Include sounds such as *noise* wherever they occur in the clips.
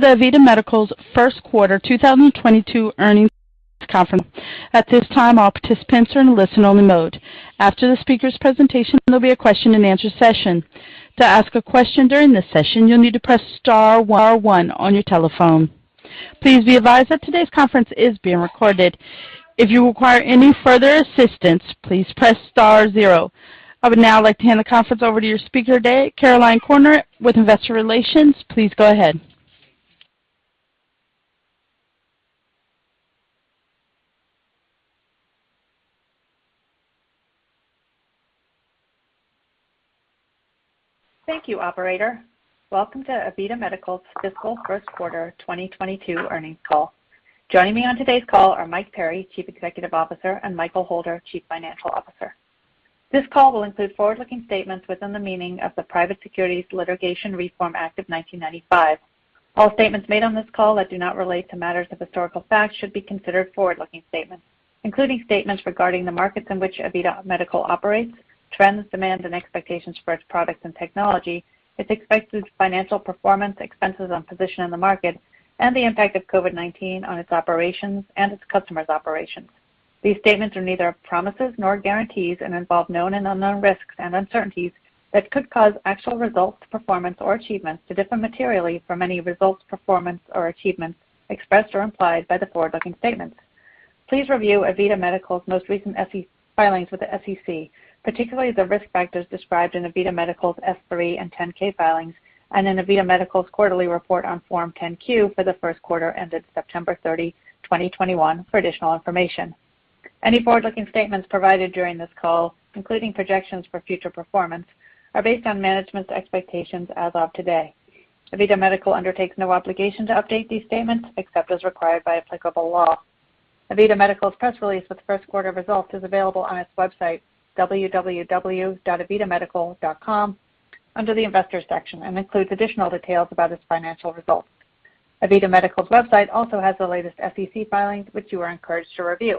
The AVITA Medical's first quarter 2022 earnings conference. At this time, all participants are in listen only mode. After the speaker's presentation, there'll be a question-and-answer session. To ask a question during this session, you'll need to press star one on your telephone. Please be advised that today's conference is being recorded. If you require any further assistance, please press star zero. I would now like to hand the conference over to your speaker today, Caroline Corner with Investor Relations. Please go ahead. Thank you, operator. Welcome to AVITA Medical's fiscal first quarter 2022 earnings call. Joining me on today's call are Mike Perry, Chief Executive Officer, and Michael Holder, Chief Financial Officer. This call will include forward-looking statements within the meaning of the Private Securities Litigation Reform Act of 1995. All statements made on this call that do not relate to matters of historical fact should be considered forward-looking statements, including statements regarding the markets in which AVITA Medical operates, trends, demands, and expectations for its products and technology, its expected financial performance, expenses on position in the market, and the impact of COVID-19 on its operations and its customers' operations. These statements are neither promises nor guarantees and involve known and unknown risks and uncertainties that could cause actual results, performance or achievements to differ materially from any results, performance or achievements expressed or implied by the forward-looking statements. Please review AVITA Medical's most recent filings with the SEC, particularly the risk factors described in AVITA Medical's S-3 and 10-K filings and in AVITA Medical's quarterly report on Form 10-Q for the first quarter ended September 30, 2021 for additional information. Any forward-looking statements provided during this call, including projections for future performance, are based on management's expectations as of today. AVITA Medical undertakes no obligation to update these statements except as required by applicable law. AVITA Medical's press release with first quarter results is available on its website, www.avitamedical.com, under the Investors section, and includes additional details about its financial results. AVITA Medical's website also has the latest SEC filings, which you are encouraged to review.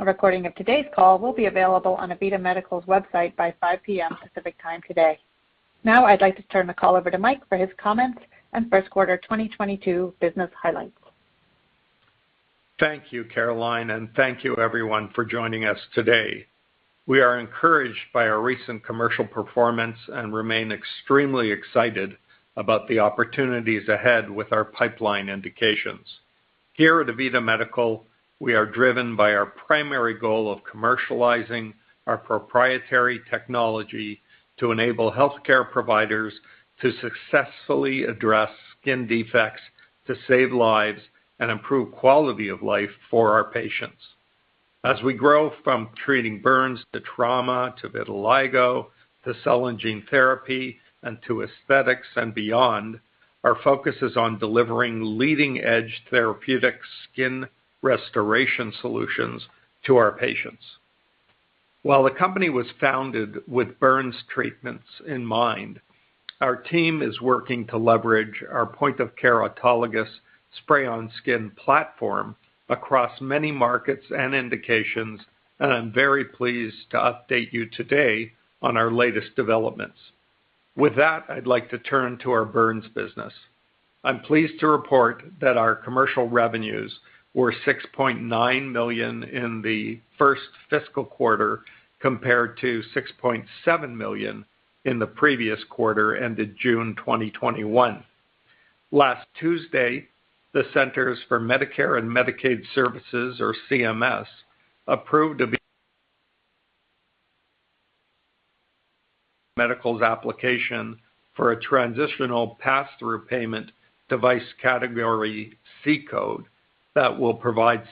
A recording of today's call will be available on AVITA Medical's website by 5:00 P.M. Pacific Time today. I'd like to turn the call over to Mike for his comments and first quarter 2022 business highlights. Thank you, Caroline, and thank you everyone for joining us today. We are encouraged by our recent commercial performance and remain extremely excited about the opportunities ahead with our pipeline indications. Here at AVITA Medical, we are driven by our primary goal of commercializing our proprietary technology to enable healthcare providers to successfully address skin defects to save lives and improve quality of life for our patients. As we grow from treating burns to trauma to vitiligo to cell and gene therapy and to aesthetics and beyond, our focus is on delivering leading-edge therapeutic skin restoration solutions to our patients. While the company was founded with burns treatments in mind, our team is working to leverage our point of care autologous spray on skin platform across many markets and indications, and I'm very pleased to update you today on our latest developments. I'd like to turn to our burns business. I'm pleased to report that our commercial revenues were $6.9 million in the first fiscal quarter compared to $6.7 million in the previous quarter ended June 2021. Last Tuesday, the Centers for Medicare and Medicaid Services, or CMS, approved AVITA Medical's application for a transitional pass-through payment device category C code that will provide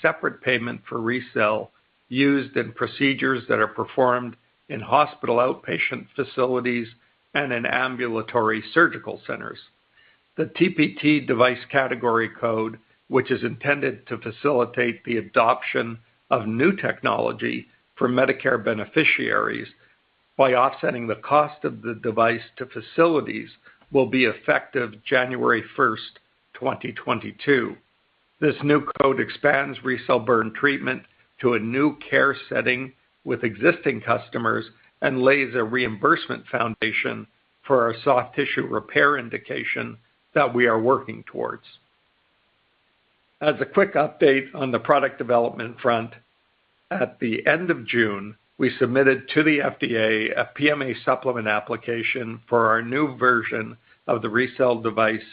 separate payment for RECELL used in procedures that are performed in hospital outpatient facilities and in ambulatory surgical centers. The TPT device category code, which is intended to facilitate the adoption of new technology for Medicare beneficiaries by offsetting the cost of the device to facilities, will be effective January 1st, 2022. This new code expands RECELL burn treatment to a new care setting with existing customers and lays a reimbursement foundation for our soft tissue repair indication that we are working towards. A quick update on the product development front, at the end of June, we submitted to the FDA a PMA supplement application for our new version of the RECELL device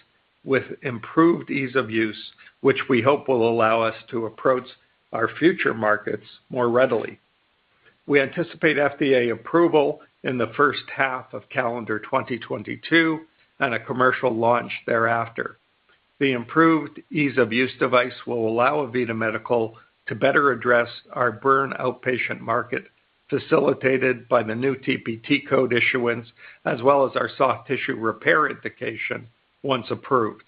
with improved ease of use, which we hope will allow us to approach our future markets more readily. We anticipate FDA approval in the first half of calendar 2022 and a commercial launch thereafter. The improved ease of use device will allow AVITA Medical to better address our burn outpatient market, facilitated by the new TPT code issuance, as well as our soft tissue repair indication once approved.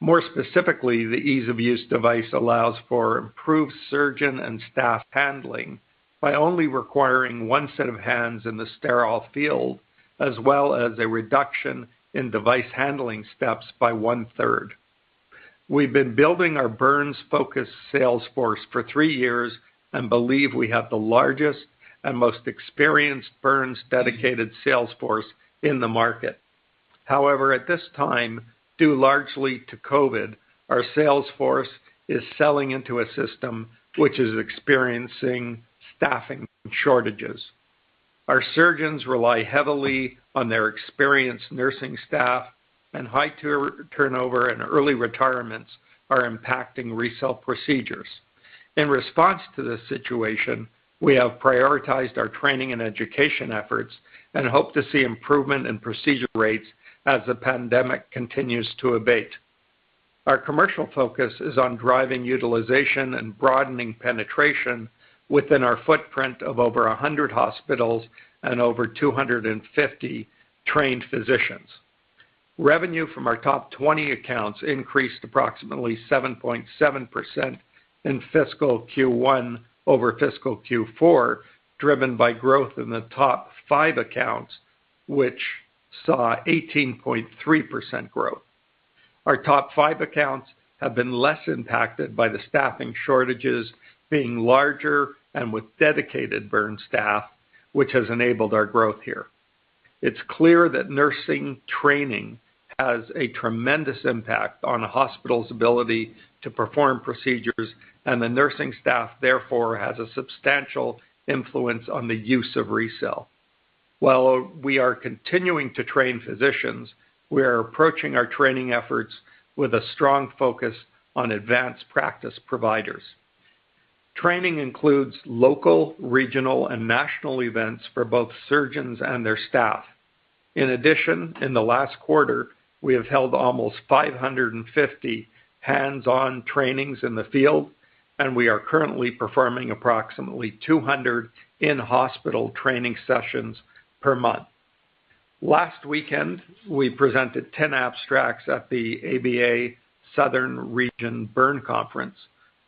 More specifically, the ease of use device allows for improved surgeon and staff handling by only requiring one set of hands in the sterile field, as well as a reduction in device handling steps by one-third. We've been building our burns-focused sales force for three years and believe we have the largest and most experienced burns-dedicated sales force in the market. However, at this time, due largely to COVID-19, our sales force is selling into a system which is experiencing staffing shortages. Our surgeons rely heavily on their experienced nursing staff, and high turnover and early retirements are impacting RECELL procedures. In response to this situation, we have prioritized our training and education efforts and hope to see improvement in procedure rates as the pandemic continues to abate. Our commercial focus is on driving utilization and broadening penetration within our footprint of over 100 hospitals and over 250 trained physicians. Revenue from our top 20 accounts increased approximately 7.7% in fiscal Q1 over fiscal Q4, driven by growth in the top five accounts, which saw 18.3% growth. Our top five accounts have been less impacted by the staffing shortages being larger and with dedicated burn staff, which has enabled our growth here. It's clear that nursing training has a tremendous impact on a hospital's ability to perform procedures, and the nursing staff therefore has a substantial influence on the use of RECELL. While we are continuing to train physicians, we are approaching our training efforts with a strong focus on advanced practice providers. Training includes local, regional, and national events for both surgeons and their staff. In the last quarter, we have held almost 550 hands-on trainings in the field, and we are currently performing approximately 200 in-hospital training sessions per month. Last weekend, we presented 10 abstracts at the ABA Southern Region Burn Conference,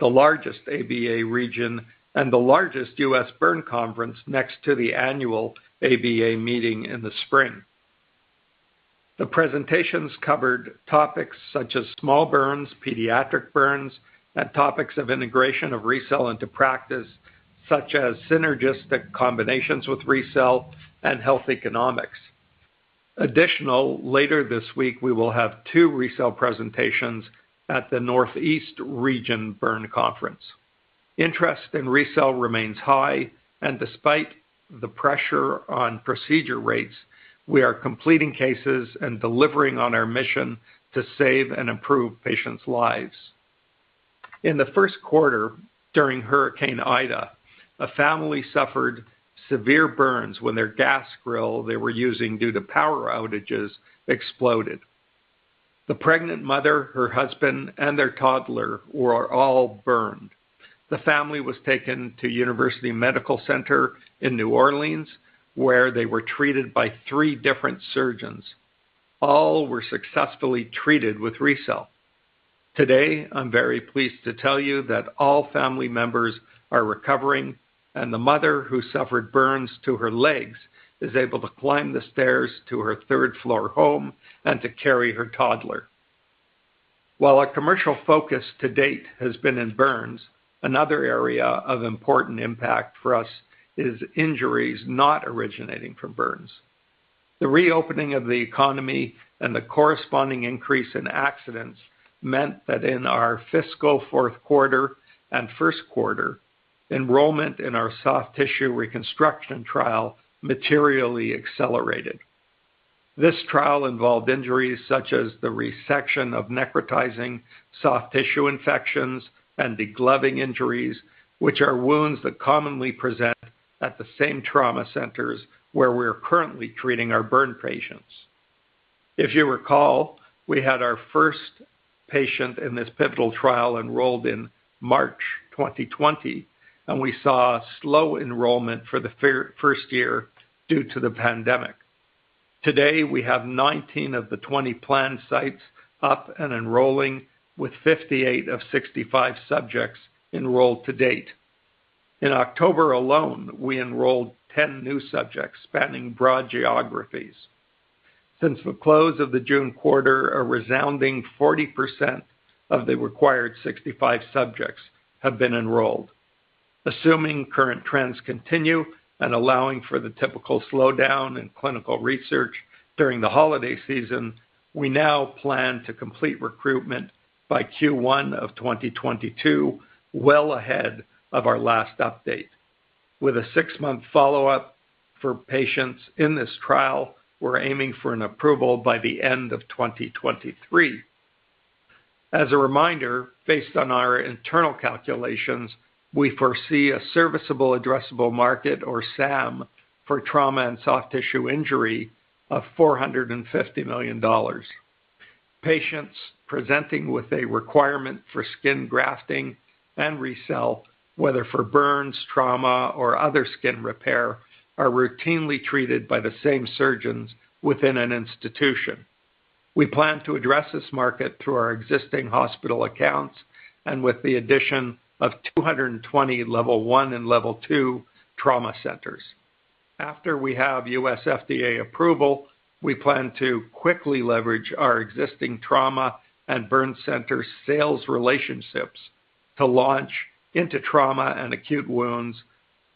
the largest ABA region and the largest U.S. burn conference next to the annual ABA meeting in the spring. The presentations covered topics such as small burns, pediatric burns, and topics of integration of RECELL into practice, such as synergistic combinations with RECELL and health economics. Additional, later this week, we will have two RECELL presentations at the Northeast Region Burn Conference. Interest in RECELL remains high, and despite the pressure on procedure rates, we are completing cases and delivering on our mission to save and improve patients' lives. In the first quarter, during Hurricane Ida, a family suffered severe burns when their gas grill they were using due to power outages exploded. The pregnant mother, her husband, and their toddler were all burned. The family was taken to University Medical Center in New Orleans, where they were treated by three different surgeons. All were successfully treated with RECELL. Today, I'm very pleased to tell you that all family members are recovering, and the mother who suffered burns to her legs is able to climb the stairs to her third-floor home and to carry her toddler. While our commercial focus to date has been in burns, another area of important impact for us is injuries not originating from burns. The reopening of the economy and the corresponding increase in accidents meant that in our fiscal fourth quarter and first quarter, enrollment in our soft tissue reconstruction trial materially accelerated. This trial involved injuries such as the resection of necrotizing soft tissue infections and degloving injuries, which are wounds that commonly present at the same trauma centers where we are currently treating our burn patients. If you recall, we had our first patient in this pivotal trial enrolled in March 2020, and we saw slow enrollment for the first year due to the pandemic. Today, we have 19 of the 20 planned sites up and enrolling, with 58 of 65 subjects enrolled to date. In October alone, we enrolled 10 new subjects spanning broad geographies. Since the close of the June quarter, a resounding 40% of the required 65 subjects have been enrolled. Assuming current trends continue and allowing for the typical slowdown in clinical research during the holiday season, we now plan to complete recruitment by Q1 2022, well ahead of our last update. With a six-month follow-up for patients in this trial, we're aiming for an approval by the end of 2023. As a reminder, based on our internal calculations, we foresee a serviceable addressable market or SAM for trauma and soft tissue injury of $450 million. Patients presenting with a requirement for skin grafting and RECELL, whether for burns, trauma, or other skin repair, are routinely treated by the same surgeons within an institution. We plan to address this market through our existing hospital accounts and with the addition of 220 Level 1 and Level 2 trauma centers. After we have U.S. FDA approval, we plan to quickly leverage our existing trauma and burn center sales relationships to launch into trauma and acute wounds,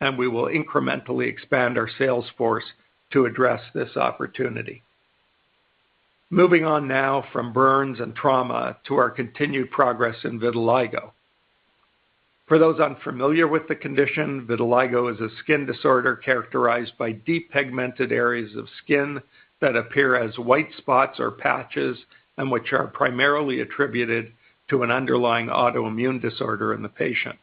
and we will incrementally expand our sales force to address this opportunity. Moving on now from burns and trauma to our continued progress in vitiligo. For those unfamiliar with the condition, vitiligo is a skin disorder characterized by depigmented areas of skin that appear as white spots or patches, and which are primarily attributed to an underlying autoimmune disorder in the patient.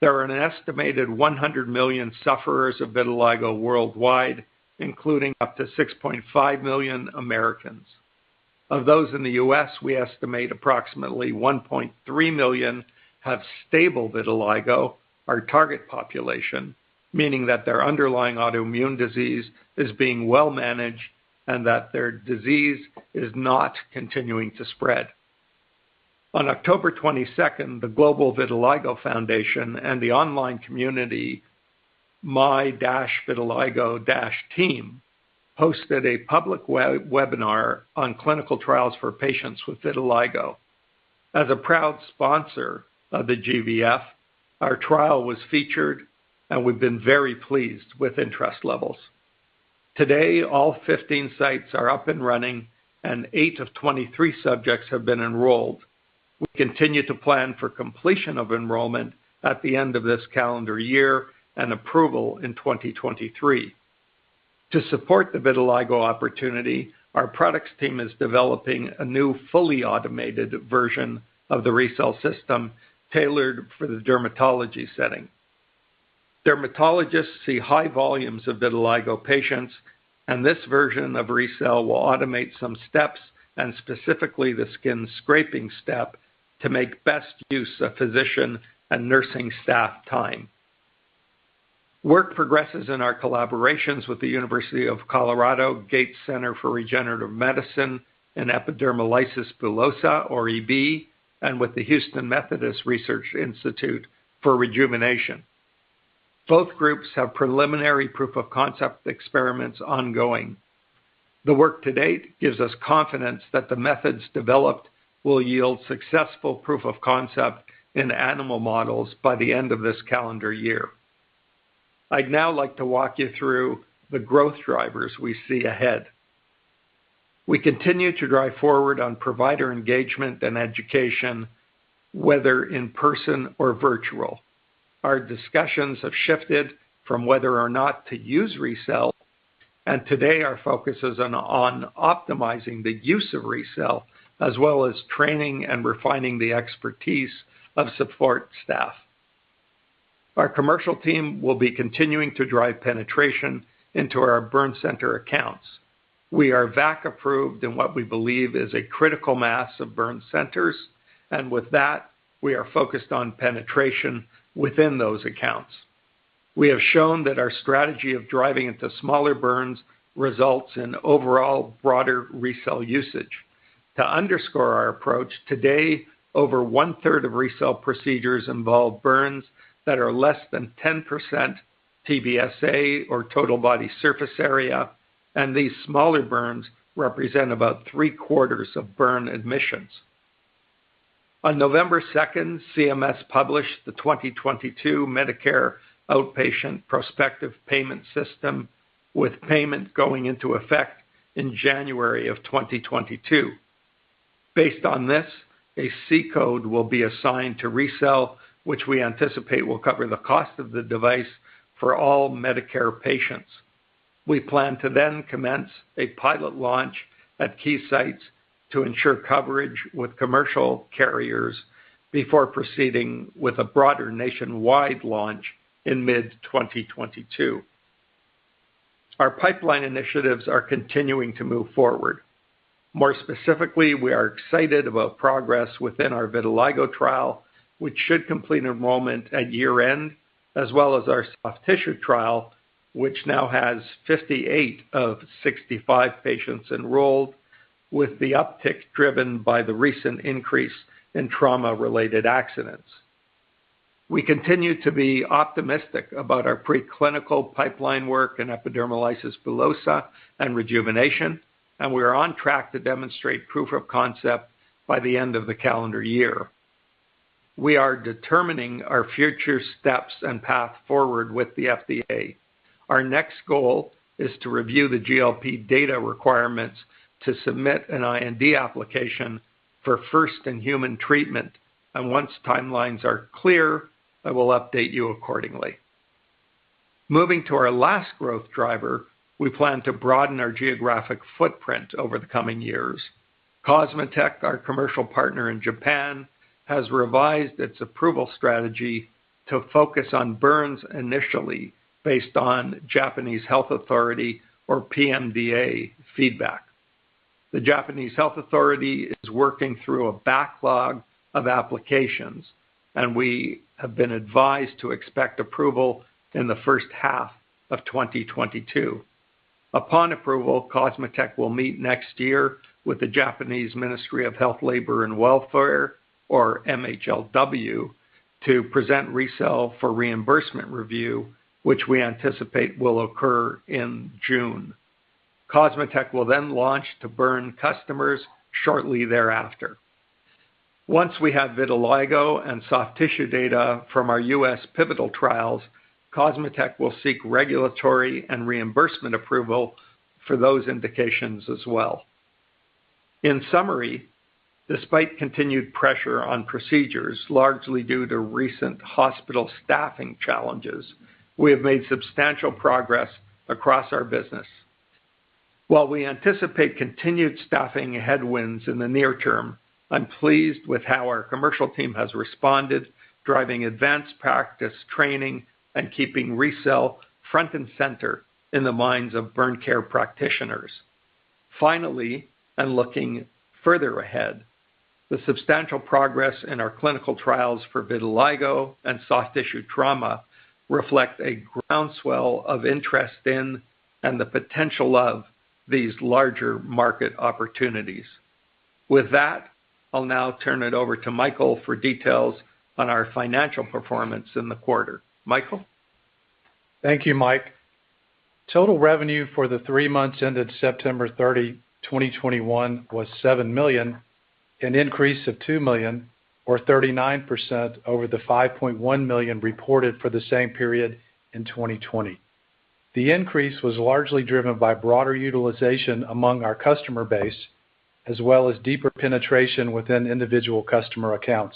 There are an estimated 100 million sufferers of vitiligo worldwide, including up to 6.5 million Americans. Of those in the U.S., we estimate approximately 1.3 million have stable vitiligo, our target population, meaning that their underlying autoimmune disease is being well managed and that their disease is not continuing to spread. On October 22nd, the Global Vitiligo Foundation and the online community, MyVitiligoTeam, hosted a public webinar on clinical trials for patients with vitiligo. As a proud sponsor of the GVF, our trial was featured, and we've been very pleased with interest levels. Today, all 15 sites are up and running, and eight of 23 subjects have been enrolled. We continue to plan for completion of enrollment at the end of this calendar year and approval in 2023. To support the vitiligo opportunity, our products team is developing a new fully automated version of the RECELL System tailored for the dermatology setting. Dermatologists see high volumes of vitiligo patients, and this version of RECELL will automate some steps, and specifically the skin scraping step, to make best use of physician and nursing staff time. Work progresses in our collaborations with the University of Colorado Gates Center for Regenerative Medicine in epidermolysis bullosa, or EB, and with the Houston Methodist Research Institute for rejuvenation. Both groups have preliminary proof-of-concept experiments ongoing. The work to date gives us confidence that the methods developed will yield successful proof of concept in animal models by the end of this calendar year. I'd now like to walk you through the growth drivers we see ahead. We continue to drive forward on provider engagement and education, whether in person or virtual. Our discussions have shifted from whether or not to use RECELL and today our focus is on optimizing the use of RECELL, as well as training and refining the expertise of support staff. Our commercial team will be continuing to drive penetration into our burn center accounts. We are VAC-approved in what we believe is a critical mass of burn centers. With that, we are focused on penetration within those accounts. We have shown that our strategy of driving into smaller burns results in overall broader RECELL usage. To underscore our approach, today, over one-third of RECELL procedures involve burns that are less than 10% TBSA, or total body surface area, and these smaller burns represent about three-quarters of burn admissions. On November 2nd, CMS published the 2022 Medicare Outpatient Prospective Payment System, with payment going into effect in January of 2022. Based on this, a C code will be assigned to RECELL, which we anticipate will cover the cost of the device for all Medicare patients. We plan to commence a pilot launch at key sites to ensure coverage with commercial carriers before proceeding with a broader nationwide launch in mid-2022. Our pipeline initiatives are continuing to move forward. More specifically, we are excited about progress within our vitiligo trial, which should complete enrollment at year-end, as well as our soft tissue trial, which now has 58 of 65 patients enrolled, with the uptick driven by the recent increase in trauma-related accidents. We continue to be optimistic about our preclinical pipeline work in epidermolysis bullosa and rejuvenation. We are on track to demonstrate proof of concept by the end of the calendar year. We are determining our future steps and path forward with the FDA. Our next goal is to review the GLP data requirements to submit an IND application for first-in-human treatment, and once timelines are clear, I will update you accordingly. Moving to our last growth driver, we plan to broaden our geographic footprint over the coming years. COSMOTEC, our commercial partner in Japan, has revised its approval strategy to focus on burns initially based on Japanese health authority or PMDA feedback. The Japanese health authority is working through a backlog of applications, and we have been advised to expect approval in the first half of 2022. Upon approval, COSMOTEC will meet next year with the Japanese Ministry of Health, Labor, and Welfare, or MHLW, to present RECELL for reimbursement review, which we anticipate will occur in June. COSMOTEC will launch to burn customers shortly thereafter. Once we have vitiligo and soft tissue data from our U.S. pivotal trials, COSMOTEC will seek regulatory and reimbursement approval for those indications as well. In summary, despite continued pressure on procedures, largely due to recent hospital staffing challenges, we have made substantial progress across our business. While we anticipate continued staffing headwinds in the near term, I'm pleased with how our commercial team has responded, driving advanced practice training and keeping RECELL front and center in the minds of burn care practitioners. Finally, looking further ahead, the substantial progress in our clinical trials for vitiligo and soft tissue trauma reflect a groundswell of interest in, and the potential of these larger market opportunities. With that, I'll now turn it over to Michael for details on our financial performance in the quarter. Michael? Thank you, Mike. Total revenue for the three months ended September 30, 2021 was $7 million, an increase of $2 million or 39% over the $5.1 million reported for the same period in 2020. The increase was largely driven by broader utilization among our customer base, as well as deeper penetration within individual customer accounts.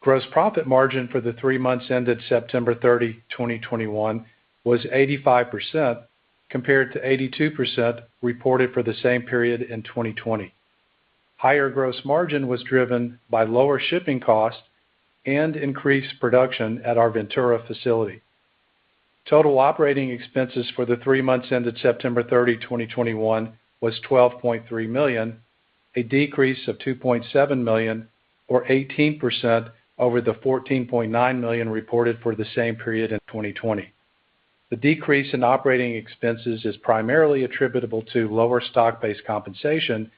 Gross profit margin for the three months ended September 30, 2021 was 85% compared to 82% reported for the same period in 2020. Higher gross margin was driven by lower shipping costs and increased production at our Ventura facility. Total operating expenses for the three months ended September 30, 2021 was $12.3 million, a decrease of $2.7 million or 18% over the $14.9 million reported for the same period in 2020. The decrease in operating expenses is primarily attributable to lower stock-based compensation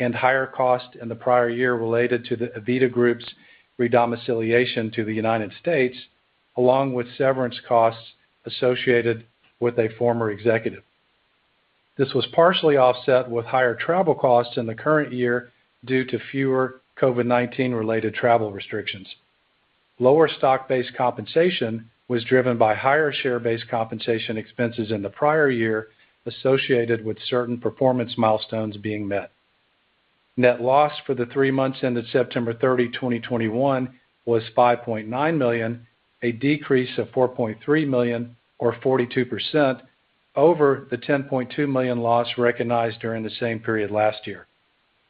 and higher cost in the prior year related to the Avita Group's re-domiciliation to the U.S., along with severance costs associated with a former executive. This was partially offset with higher travel costs in the current year due to fewer COVID-19 related travel restrictions. Lower stock-based compensation was driven by higher share-based compensation expenses in the prior year associated with certain performance milestones being met. Net loss for the three months ended September 30, 2021, was $5.9 million, a decrease of $4.3 million or 42% over the $10.2 million loss recognized during the same period last year.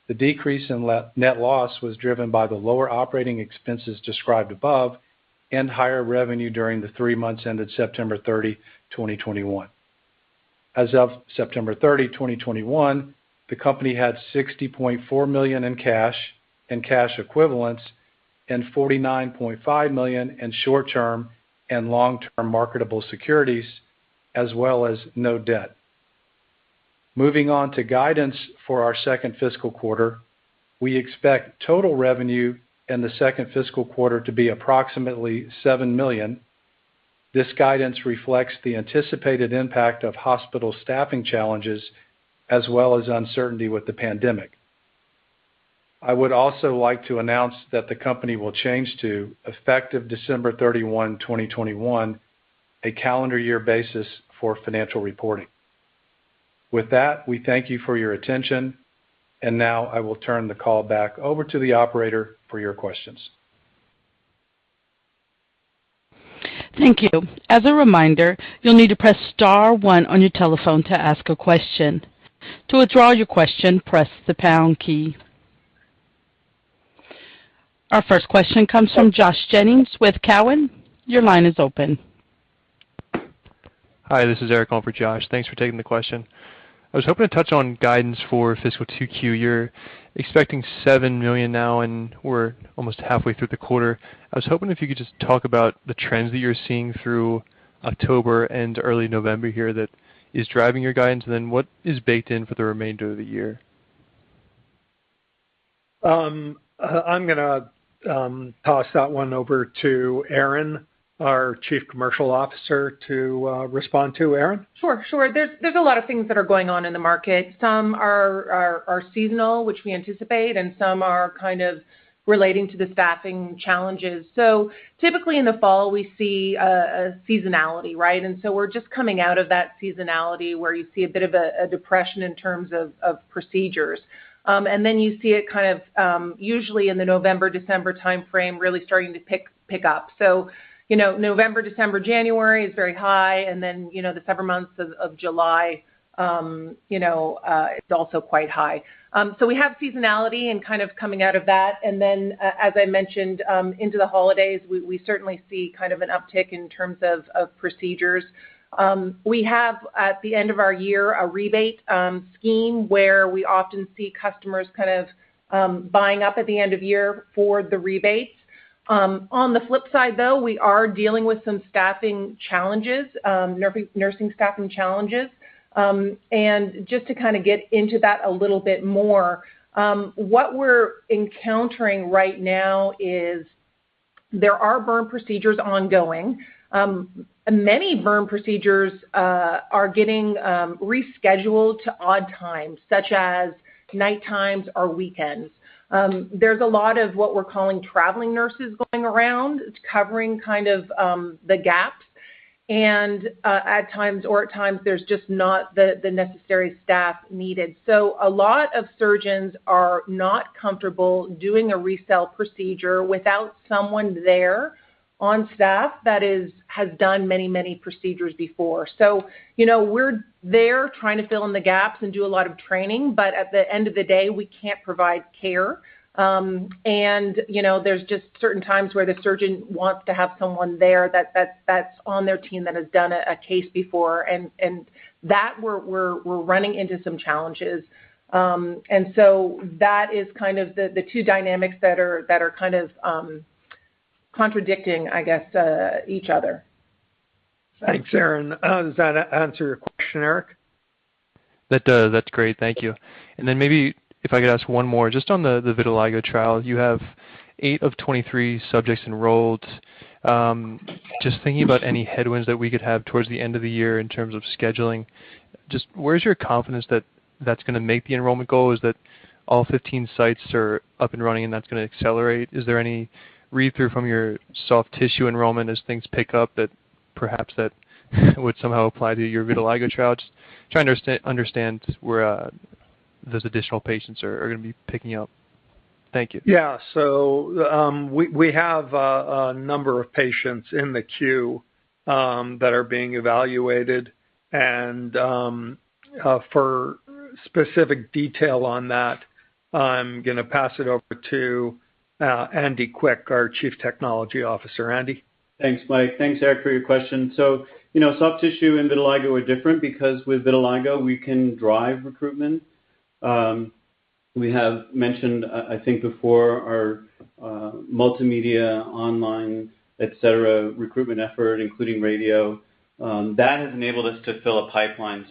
The decrease in net loss was driven by the lower operating expenses described above and higher revenue during the three months ended September 30, 2021. As of September 30, 2021, the company had $60.4 million in cash and cash equivalents and $49.5 million in short-term and long-term marketable securities, as well as no debt. Moving on to guidance for our second fiscal quarter. We expect total revenue in the second fiscal quarter to be approximately $7 million. This guidance reflects the anticipated impact of hospital staffing challenges as well as uncertainty with the pandemic. I would also like to announce that the company will change to, effective December 31, 2021, a calendar year basis for financial reporting. With that, we thank you for your attention. Now I will turn the call back over to the operator for your questions. Thank you. As a reminder, you'll need to press star one on your telephone to ask a question. To withdraw your question, press the pound key. Our first question comes from Josh Jennings with Cowen. Your line is open. Hi, this is Eric calling for Josh. Thanks for taking the question. I was hoping to touch on guidance for fiscal 2Q. You're expecting $7 million now, and we're almost halfway through the quarter. I was hoping if you could just talk about the trends that you're seeing through October and early November here that is driving your guidance, and then what is baked in for the remainder of the year. I'm gonna toss that one over to Erin, our Chief Commercial Officer to respond to. Erin? Sure, sure. There's a lot of things that are going on in the market. Some are seasonal, which we anticipate, and some are kind of relating to the staffing challenges. Typically in the fall, we see a seasonality, right? We're just coming out of that seasonality where you see a bit of a depression in terms of procedures. Then you see it kind of, usually in the November, December timeframe, really starting to pick up. You know, November, December, January is very high. Then, you know, the summer months of July, it's also quite high. We have seasonality and kind of coming out of that. Then, as I mentioned, into the holidays, we certainly see kind of an uptick in terms of procedures. We have, at the end of our year, a rebate scheme where we often see customers kind of buying up at the end of year for the rebates. On the flip side, though, we are dealing with some staffing challenges, nursing staffing challenges. Just to kind of get into that a little bit more, what we're encountering right now is there are burn procedures ongoing. Many burn procedures are getting rescheduled to odd times, such as night times or weekends. There's a lot of what we're calling traveling nurses going around. It's covering kind of the gaps. At times, there's just not the necessary staff needed. So a lot of surgeons are not comfortable doing a RECELL procedure without someone there on staff that has done many, many procedures before. You know, we're there trying to fill in the gaps and do a lot of training, but at the end of the day, we can't provide care. You know, there's just certain times where the surgeon wants to have someone there that's on their team that has done a case before. That we're running into some challenges. That is kind of the two dynamics that are kind of contradicting, I guess, each other. Thanks, Erin. Does that answer your question, Eric? That does. That's great. Thank you. Maybe if I could ask one more just on the vitiligo trial. You have eight of 23 subjects enrolled. Just thinking about any headwinds that we could have towards the end of the year in terms of scheduling. Just where's your confidence that that's gonna make the enrollment goal? Is that all 15 sites are up and running, and that's gonna accelerate? Is there any read-through from your soft tissue enrollment as things pick up that perhaps that would somehow apply to your vitiligo trials? Trying to understand where those additional patients are gonna be picking up. Thank you. We have a number of patients in the queue that are being evaluated. For specific detail on that, I'm gonna pass it over to Andy Quick, our Chief Technology Officer. Andy. Thanks, Mike. Thanks, Eric, for your question. You know, soft tissue and vitiligo are different because with vitiligo, we can drive recruitment. We have mentioned, I think before our multimedia online, et cetera, recruitment effort, including radio, that has enabled us to fill a pipeline.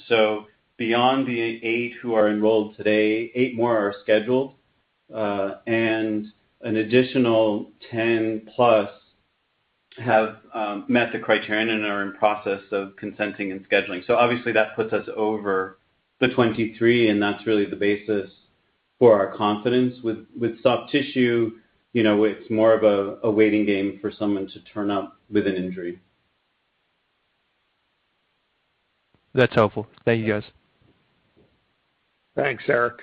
Beyond the eight who are enrolled today, eight more are scheduled, and an additional 10+ have met the criterion and are in process of consenting and scheduling. Obviously that puts us over the 23, and that's really the basis for our confidence. With, with soft tissue, you know, it's more of a waiting game for someone to turn up with an injury. That's helpful. Thank you, guys. Thanks, Eric.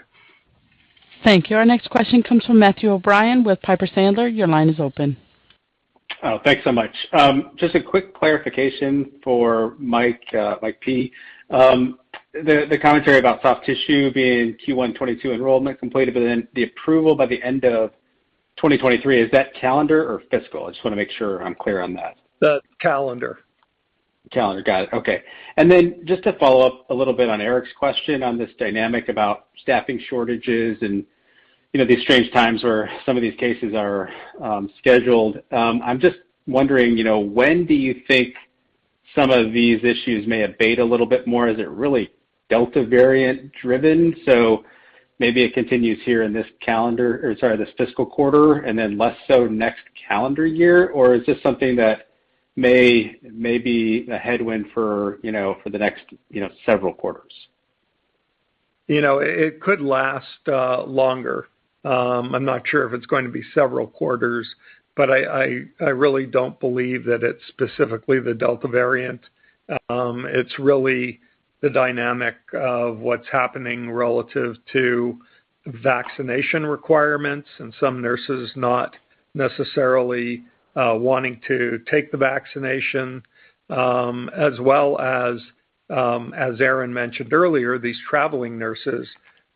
Thank you. Our next question comes from Matthew O'Brien with Piper Sandler. Your line is open. Oh, thanks so much. Just a quick clarification for Mike P. The commentary about soft tissue being Q1 2022 enrollment completed, but then the approval by the end of 2023, is that calendar or fiscal? I just wanna make sure I'm clear on that. That's calendar. Calendar. Got it. Okay. Then just to follow up a little bit on Eric's question on this dynamic about staffing shortages and, you know, these strange times where some of these cases are scheduled. I'm just wondering, you know, when do you think some of these issues may abate a little bit more? Is it really Delta variant driven? So maybe it continues here in this calendar or sorry, this fiscal quarter and then less so next calendar year? Or is this something that may be a headwind for, you know, for the next, you know, several quarters? You know, it could last longer. I'm not sure if it's going to be several quarters, but I really don't believe that it's specifically the Delta variant. It's really the dynamic of what's happening relative to vaccination requirements and some nurses not necessarily wanting to take the vaccination, as well as Erin mentioned earlier, these traveling nurses,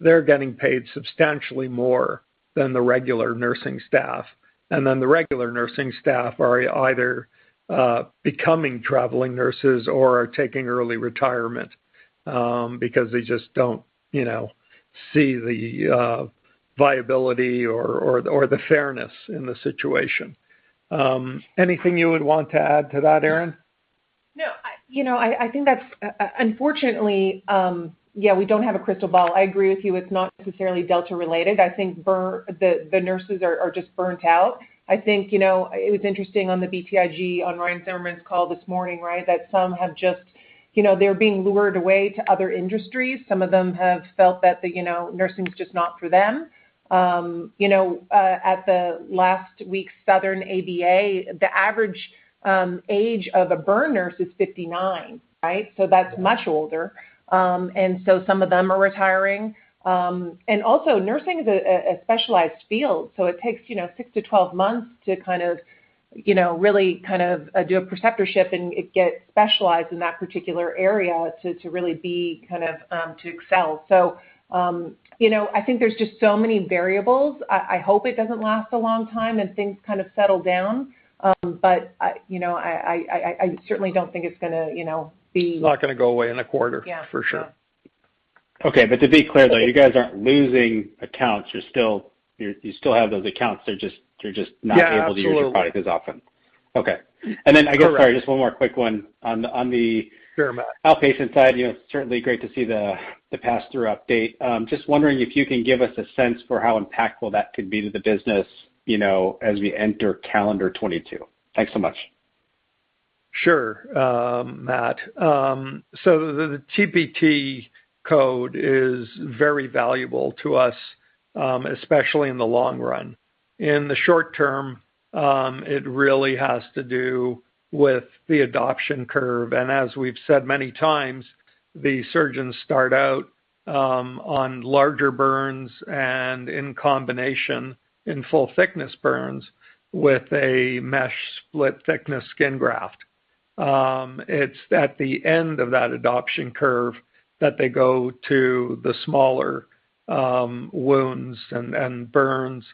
they're getting paid substantially more than the regular nursing staff. The regular nursing staff are either becoming traveling nurses or are taking early retirement, because they just don't, you know, see the viability or the fairness in the situation. Anything you would want to add to that, Erin? No. You know, I think that's unfortunately, yeah, we don't have a crystal ball. I agree with you. It's not necessarily Delta related. I think the nurses are just burnt out. I think, you know, it was interesting on the BTIG on Ryan Zimmerman's call this morning, right? Some have just, you know, they're being lured away to other industries. Some of them have felt that, you know, nursing is just not for them. You know, at the last week's Southern ABA, the average age of a burn nurse is 59, right? That's much older. Some of them are retiring. Also nursing is a specialized field, so it takes, you know, six to 12 months to kind of, you know, really kind of do a preceptorship and it get specialized in that particular area to really be kind of to excel. You know, I think there's just so many variables. I hope it doesn't last a long time and things kind of settle down. I, you know, certainly don't think it's gonna, you know, be- Not gonna go away in a quarter. Yeah. For sure. Okay. To be clear, though, you guys aren't losing accounts. You still have those accounts. They're just. Yeah, absolutely. not able to use your product as often. Okay. Correct. I guess sorry, just one more quick one on the. Sure, Matt.... outpatient side, you know, certainly great to see the pass-through update. Just wondering if you can give us a sense for how impactful that could be to the business, you know, as we enter calendar 2022. Thanks so much. Sure. Matt. The TPT code is very valuable to us, especially in the long run. In the short term, it really has to do with the adoption curve. As we've said many times, the surgeons start out on larger burns and in combination in full thickness burns with a mesh split thickness skin graft. It's at the end of that adoption curve that they go to the smaller wounds and burns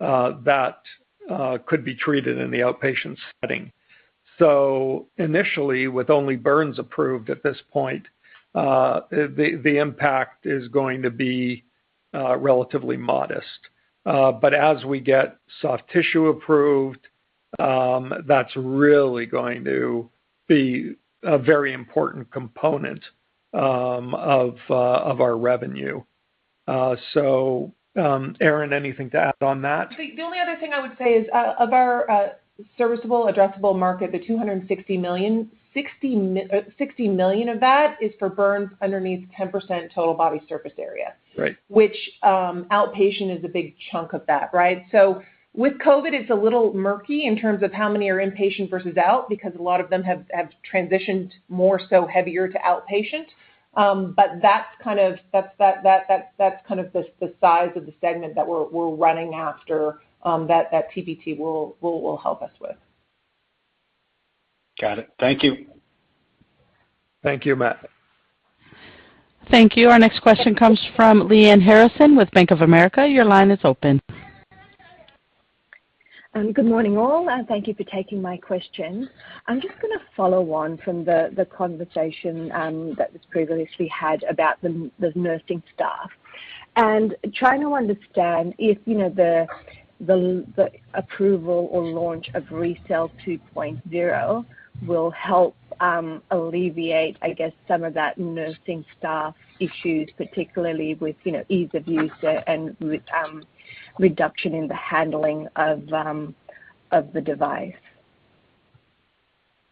that could be treated in the outpatient setting. Initially, with only burns approved at this point, the impact is going to be relatively modest. As we get soft tissue approved, that's really going to be a very important component of our revenue. Erin, anything to add on that? The only other thing I would say is of our serviceable addressable market, the $260 million, $60 million of that is for burns underneath 10% total body surface area. Right. Which, outpatient is a big chunk of that, right? With COVID-19, it's a little murky in terms of how many are inpatient versus out, because a lot of them have transitioned more so heavier to outpatient. That's kind of the size of the segment that we're running after, that TPT will help us with. Got it. Thank you. Thank you, Matt. Thank you. Our next question comes from Lyanne Harrison with Bank of America. Your line is open. Good morning, all. Thank you for taking my question. I'm just gonna follow on from the conversation that was previously had about the nursing staff, and trying to understand if, you know, the approval or launch of RECELL 2.0 will help alleviate, I guess, some of that nursing staff issues, particularly with, you know, ease of use and with reduction in the handling of the device.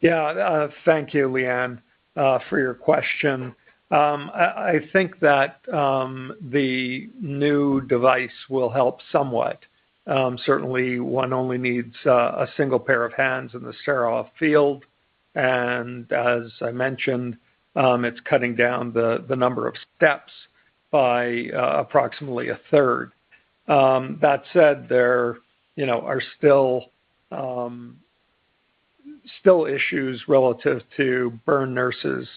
Yeah. Thank you, Lyanne, for your question. I think that the new device will help somewhat. Certainly one only needs a single pair of hands in the sterile field. As I mentioned, it's cutting down the number of steps by approximately a third. That said, there, you know, are still issues relative to burn nurses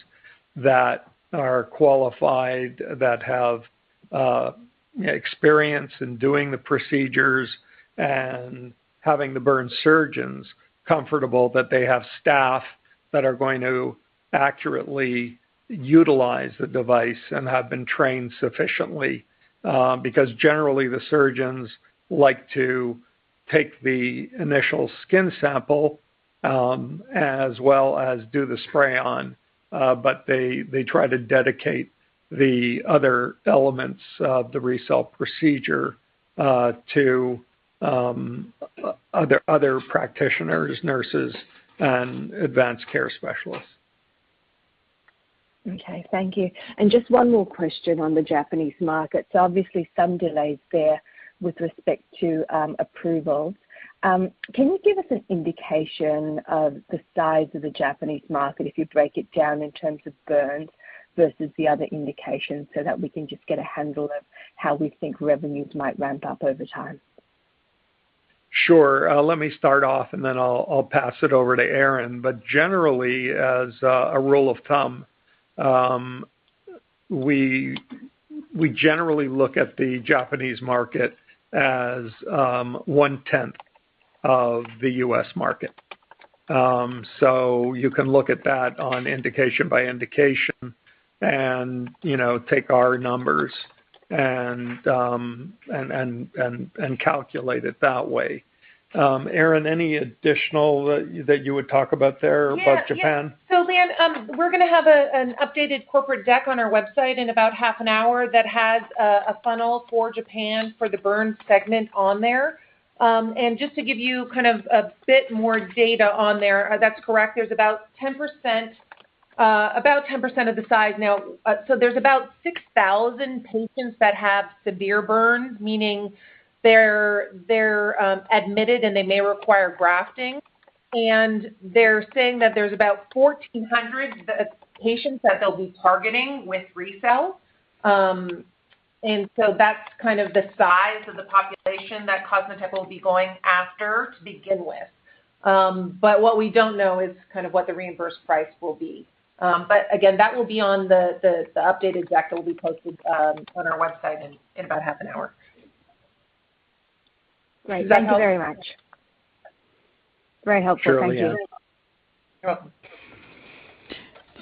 that are qualified, that have experience in doing the procedures and having the burn surgeons comfortable that they have staff that are going to accurately utilize the device and have been trained sufficiently. Because generally the surgeons like to take the initial skin sample, as well as do the spray on, they try to dedicate the other elements of the RECELL procedure to other practitioners, nurses, and advanced care specialists. Okay. Thank you. Just one more question on the Japanese market. Obviously some delays there with respect to approvals. Can you give us an indication of the size of the Japanese market if you break it down in terms of burns versus the other indications so that we can just get a handle of how we think revenues might ramp up over time? Sure. Let me start off and then I'll pass it over to Erin. Generally as a rule of thumb, we generally look at the Japanese market as one-tenth of the U.S. market. You can look at that on indication by indication and, you know, take our numbers and calculate it that way. Erin, any additional that you would talk about there about Japan? Yeah. Yeah. Lyanne, we're gonna have an updated corporate deck on our website in about half an hour that has a funnel for Japan for the burn segment on there. Just to give you kind of a bit more data on there, that's correct. There's about 10% of the size now. There's about 6,000 patients that have severe burns, meaning they're admitted, and they may require grafting. They're saying that there's about 1,400 patients that they'll be targeting with RECELL. That's kind of the size of the population that COSMOTEC will be going after to begin with. What we don't know is kind of what the reimbursed price will be. Again, that will be on the updated deck that will be posted on our website in about half an hour. Thank you very much. Very helpful. Thank you. Sure. Yeah. You're welcome.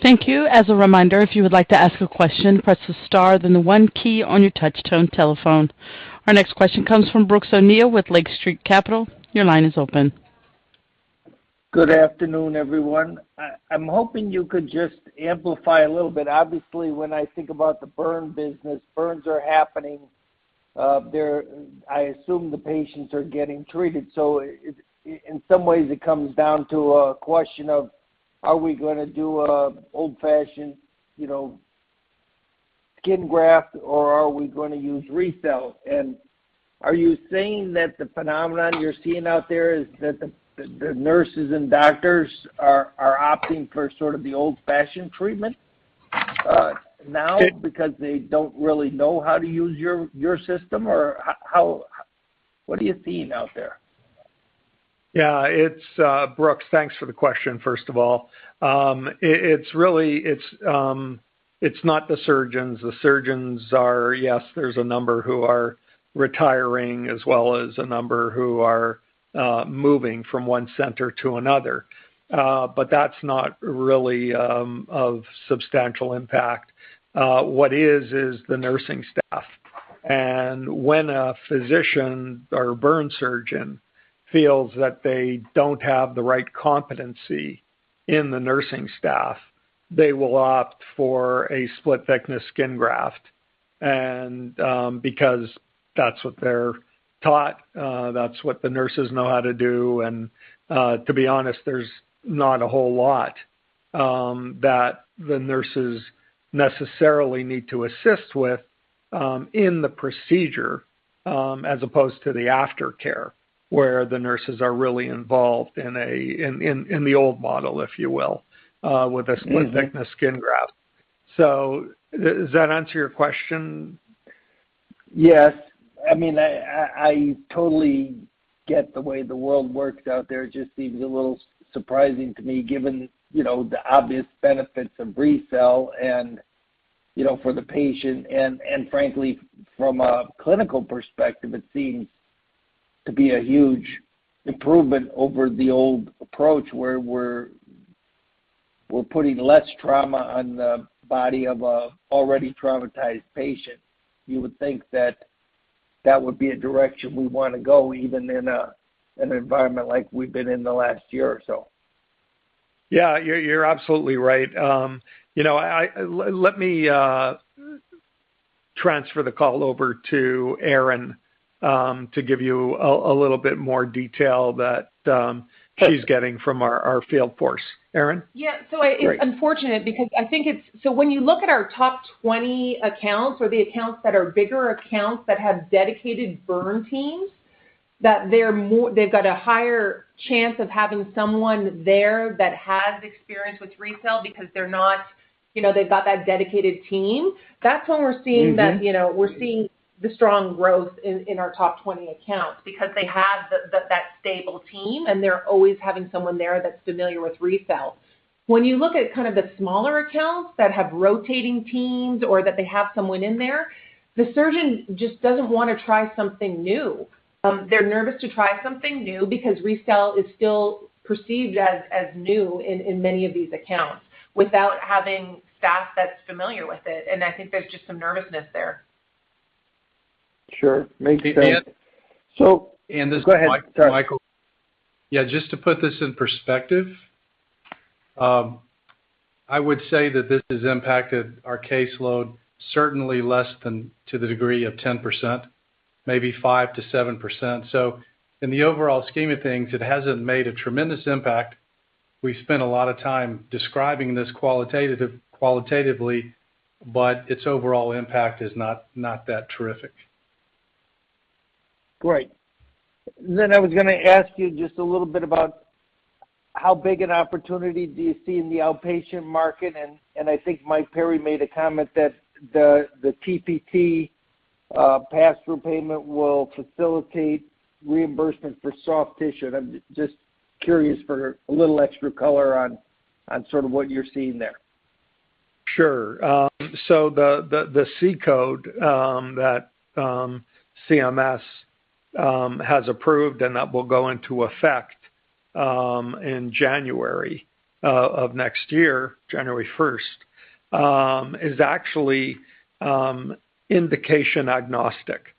Thank you. As a reminder, if you would like to ask a question, press the star, then the one key on your touchtone telephone. Our next question comes from Brooks O'Neil with Lake Street Capital. Your line is open. Good afternoon, everyone. I'm hoping you could just amplify a little bit. Obviously, when I think about the burn business, burns are happening, they're I assume the patients are getting treated, so in some ways, it comes down to a question of, are we gonna do an old-fashioned, you know, skin graft, or are we gonna use RECELL? Are you saying that the phenomenon you're seeing out there is that the nurses and doctors are opting for sort of the old-fashioned treatment now because they don't really know how to use your system? Or what are you seeing out there? Yeah. It's Brooks, thanks for the question, first of all. It's really, it's not the surgeons. The surgeons are yes, there's a number who are retiring, as well as a number who are moving from one center to another. That's not really of substantial impact. What is the nursing staff. When a physician or a burn surgeon feels that they don't have the right competency in the nursing staff, they will opt for a split-thickness skin graft, and because that's what they're taught, that's what the nurses know how to do. To be honest, there's not a whole lot that the nurses necessarily need to assist with in the procedure, as opposed to the aftercare, where the nurses are really involved in the old model, if you will, with a split-thickness skin graft. Does that answer your question? Yes. I mean, I totally get the way the world works out there. It just seems a little surprising to me, given, you know, the obvious benefits of RECELL and, you know, for the patient and, frankly, from a clinical perspective, it seems to be a huge improvement over the old approach, where we're putting less trauma on the body of a already traumatized patient. You would think that that would be a direction we wanna go, even in an environment like we've been in the last year or so. Yeah. You're absolutely right. You know, let me transfer the call over to Erin, to give you a little bit more detail that she's getting from our field force. Erin? Yeah. Great. It's unfortunate because I think it's. When you look at our top 20 accounts or the accounts that are bigger accounts that have dedicated burn teams, that they've got a higher chance of having someone there that has experience with RECELL because they're not, you know, they've got that dedicated team. That's when we're seeing that. Mm-hmm. You know, we're seeing the strong growth in our top 20 accounts because they have that stable team, and they're always having someone there that's familiar with RECELL. When you look at kind of the smaller accounts that have rotating teams or that they have someone in there, the surgeon just doesn't wanna try something new. They're nervous to try something new because RECELL is still perceived as new in many of these accounts without having staff that's familiar with it, and I think there's just some nervousness there. Sure. Makes sense. And, and- *crosstalk* So- *crosstalk* This is Mike. Go ahead. Sorry. Michael. Yeah, just to put this in perspective, I would say that this has impacted our caseload certainly less than to the degree of 10%, maybe 5%-7%. In the overall scheme of things, it hasn't made a tremendous impact. We spent a lot of time describing this qualitatively, but its overall impact is not that terrific. Great. I was gonna ask you just a little bit about how big an opportunity do you see in the outpatient market, and I think Mike Perry made a comment that the TPT pass-through payment will facilitate reimbursement for soft tissue. And I'm just curious for a little extra color on sort of what you're seeing there. Sure. The C code that CMS has approved and that will go into effect in January of next year, January 1st, is actually indication agnostic.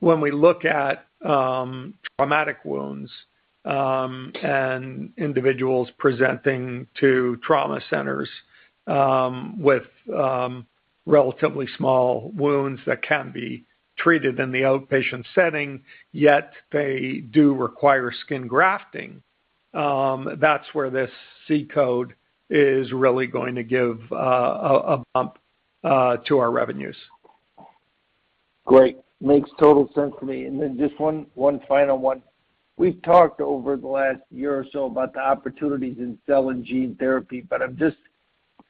When we look at traumatic wounds and individuals presenting to trauma centers with relatively small wounds that can be treated in the outpatient setting, yet they do require skin grafting, that's where this C code is really going to give a bump to our revenues. Great. Makes total sense to me. Then just one final one. We've talked over the last year or so about the opportunities in cell and gene therapy, I'm just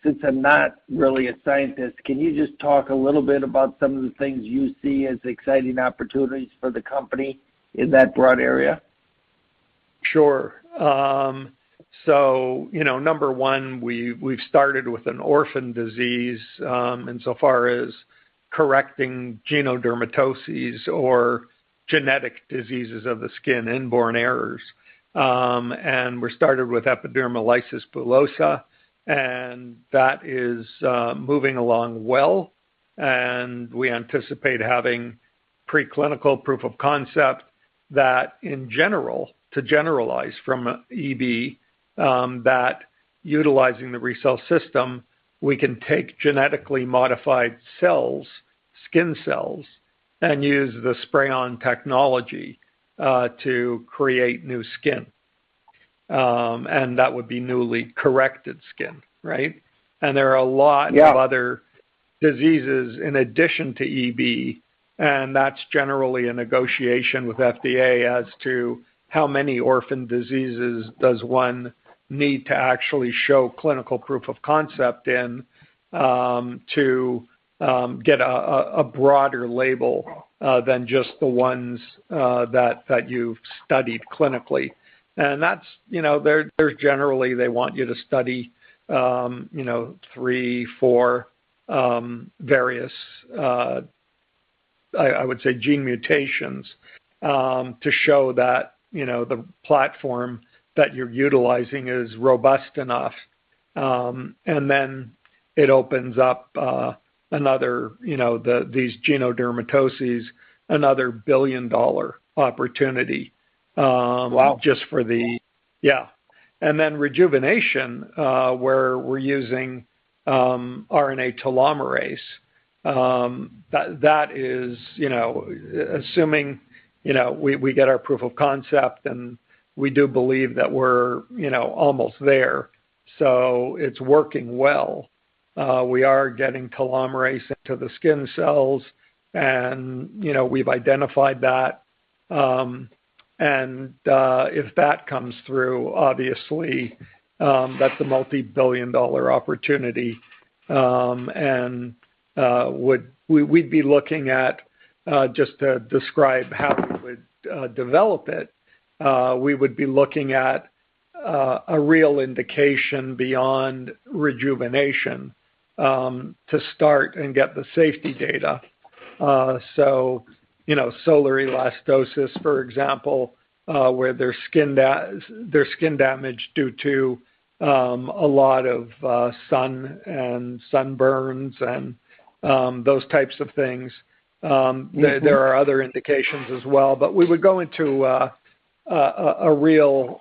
since I'm not really a scientist, can you just talk a little bit about some of the things you see as exciting opportunities for the company in that broad area? Sure. You know, number one, we've started with an orphan disease, insofar as correcting genodermatoses or genetic diseases of the skin, inborn errors. We started with epidermolysis bullosa, and that is moving along well. We anticipate having preclinical proof of concept that, in general, to generalize from EB, that utilizing the RECELL System, we can take genetically modified cells, skin cells, and use the spray-on technology to create new skin. That would be newly corrected skin, right? There are a lot. Yeah of other diseases in addition to EB, that's generally a negotiation with FDA as to how many orphan diseases does one need to actually show clinical proof of concept in, to get a broader label than just the ones that you've studied clinically. That's, you know, there's generally they want you to study, you know, three, four, various, I would say gene mutations, to show that, you know, the platform that you're utilizing is robust enough. Then it opens up another, you know, these genodermatoses, another billion-dollar opportunity. Wow Then rejuvenation, where we're using RNA telomerase. That is, you know, assuming we get our proof of concept, and we do believe that we're, you know, almost there. It's working well. We are getting telomerase into the skin cells and, you know, we've identified that. If that comes through, obviously, that's a multi-billion-dollar opportunity. We'd be looking at just to describe how we would develop it. We would be looking at a real indication beyond rejuvenation to start and get the safety data. You know, solar elastosis, for example, where there's skin damage due to a lot of sun and sunburns and those types of things. Mm-hmm ...there are other indications as well. We would go into a real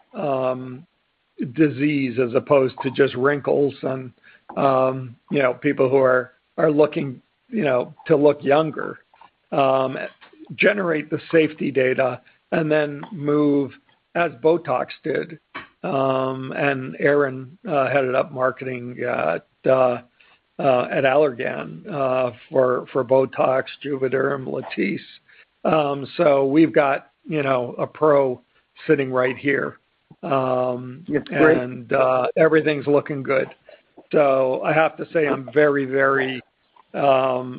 disease as opposed to just wrinkles and, you know, people who are looking, you know, to look younger. generate the safety data and then move as Botox did, Erin headed up marketing at Allergan for Botox, Juvéderm, Latisse. We've got, you know, a pro sitting right here. That's great. Everything's looking good. I have to say I'm very, very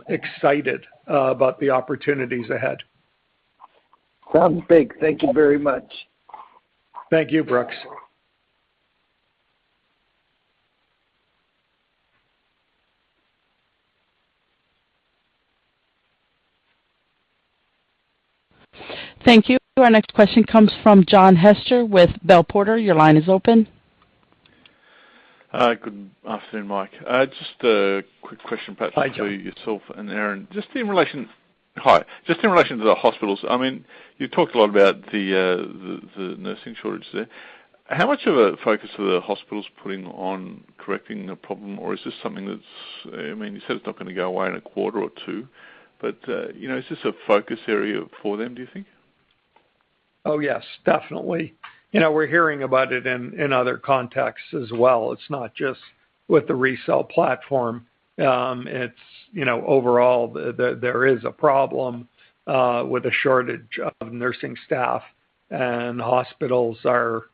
excited about the opportunities ahead. Sounds big. Thank you very much. Thank you, Brooks. Thank you. Our next question comes from John Hester with Bell Potter. Your line is open. Good afternoon, Mike. Just a quick question perhaps. Hi, John. ...to yourself and Erin. Just in relation to the hospitals, I mean, you talked a lot about the nursing shortage there. How much of a focus are the hospitals putting on correcting the problem, or is this something that's, I mean, you said it's not gonna go away in a quarter or two, but, you know, is this a focus area for them, do you think? Oh, yes, definitely. You know, we're hearing about it in other contexts as well. It's not just with the RECELL platform. It's, you know, overall there is a problem with a shortage of nursing staff, and hospitals are,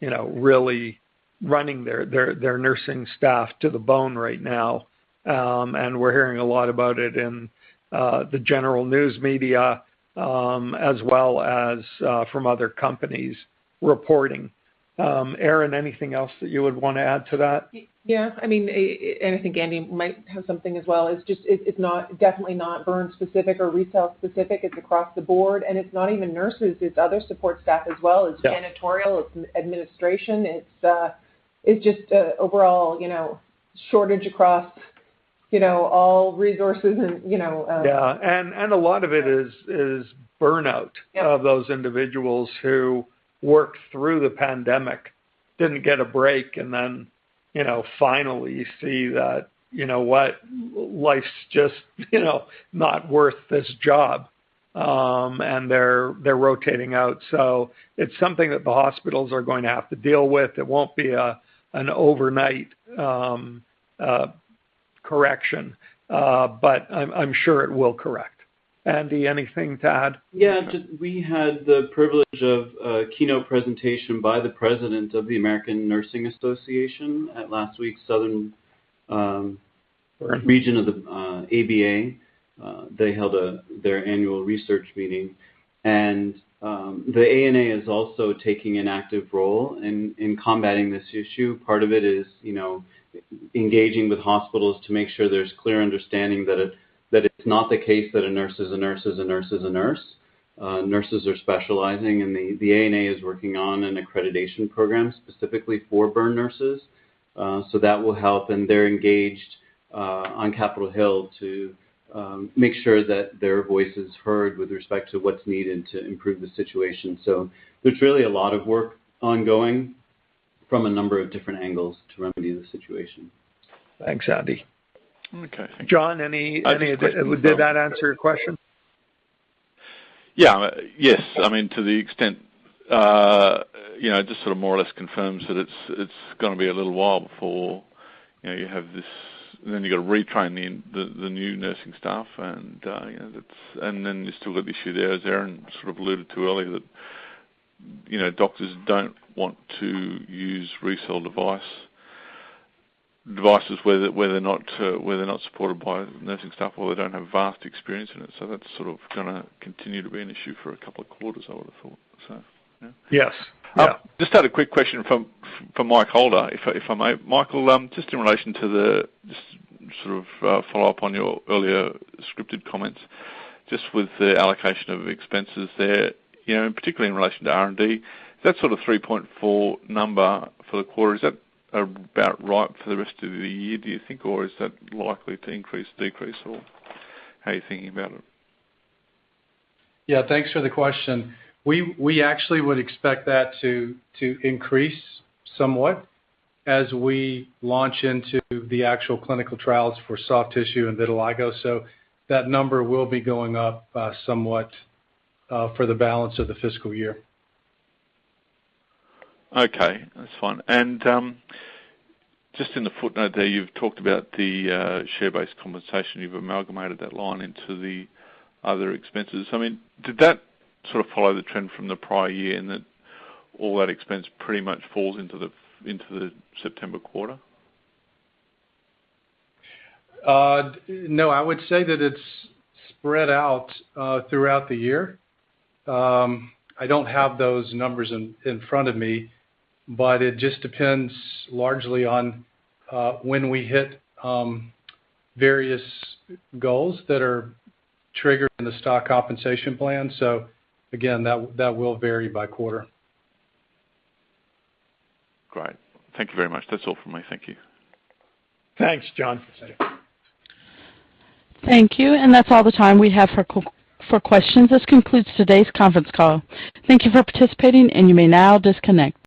you know, really running their nursing staff to the bone right now. We're hearing a lot about it in the general news media, as well as from other companies reporting. Erin, anything else that you would wanna add to that? Yes. I mean, I think Andy might have something as well. It's just, it's not, definitely not burn specific or RECELL specific. It's across the board. It's not even nurses, it's other support staff as well. Yeah. It's janitorial, it's administration. It's, it's just a overall, you know, shortage across, you know, all resources. Yeah. And a lot of it is burnout. Yeah ...of those individuals who worked through the pandemic, didn't get a break, and then, you know, finally see that, you know what? Life's just, you know, not worth this job. They're rotating out. It's something that the hospitals are going to have to deal with. It won't be an overnight correction, but I'm sure it will correct. Andy, anything to add? Just we had the privilege of a keynote presentation by the president of the American Nurses Association at last week's Southern Region of the ABA, they held their annual research meeting. The ANA is also taking an active role in combating this issue. Part of it is, you know, engaging with hospitals to make sure there's clear understanding that it's not the case that a nurse is a nurse is a nurse is a nurse. Nurses are specializing, and the ANA is working on an accreditation program specifically for burn nurses. That will help, and they're engaged on Capitol Hill to make sure that their voice is heard with respect to what's needed to improve the situation. There's really a lot of work ongoing from a number of different angles to remedy the situation. Thanks, Andy. Okay. John, any. I just quickly- *crosstalk* Did that answer your question? Yeah. Yes. I mean, to the extent, you know, just to more or less confirm that it's gonna be a little while before, you know, you have this, then you gotta retrain the new nursing staff and, you know, that's. You still got the issue there, as Erin sort of alluded to earlier, that, you know, doctors don't want to use RECELL device, devices where they're, where they're not, where they're not supported by nursing staff or they don't have vast experience in it. That's sort of gonna continue to be an issue for a couple of quarters, I would have thought so, yeah. Yes. Yeah. Just had a quick question from Mike Holder, if I may. Michael, just in relation to the, just sort of a follow-up on your earlier scripted comments, just with the allocation of expenses there, you know, particularly in relation to R&D, that sort of 3.4 number for the quarter, is that about right for the rest of the year, do you think? Or is that likely to increase, decrease, or how are you thinking about it? Yeah, thanks for the question. We actually would expect that to increase somewhat as we launch into the actual clinical trials for soft tissue and vitiligo. That number will be going up somewhat for the balance of the fiscal year. Okay, that's fine. Just in the footnote there, you've talked about the share-based compensation. You've amalgamated that line into the other expenses. I mean, did that sort of follow the trend from the prior year in that all that expense pretty much falls into the September quarter? No, I would say that it's spread out throughout the year. I don't have those numbers in front of me, but it just depends largely on when we hit various goals that are triggered in the stock compensation plan. Again, that will vary by quarter. Great. Thank you very much. That's all for me. Thank you. Thanks, John. Thank you. That's all the time we have for questions. This concludes today's conference call. Thank you for participating, and you may now disconnect.